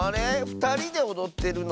ふたりでおどってるの？